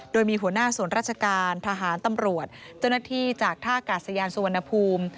โดยมีหัวหน้าส่วนราชการทหารตำรวจเจ้าหน้าที่จากท่ากาศยานสุวรรณภูมิ